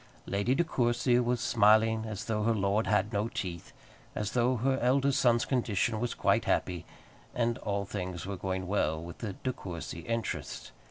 Lady De Courcy was smiling as though her lord had no teeth, as though her eldest son's condition was quite happy, and all things were going well with the De Courcy interests.